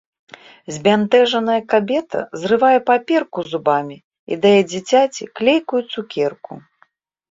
Збянтэжаная кабета зрывае паперку зубамі і дае дзіцяці клейкую цукерку.